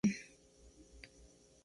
Simmons nació en Tonbridge, Kent.